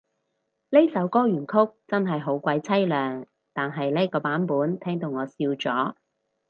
呢首歌原曲真係好鬼淒涼，但係呢個版本聽到我笑咗